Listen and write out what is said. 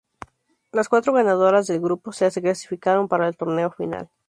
Las cuatro ganadores del grupo se clasificaron para el torneo final.